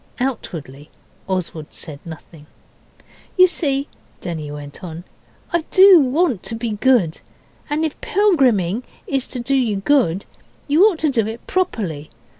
Outwardly Oswald said nothing. 'You see' Denny went on 'I do want to be good. And if pilgriming is to do you good, you ought to do it properly.